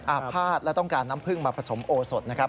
อาภาษณ์และต้องการน้ำผึ้งมาผสมโอสดนะครับ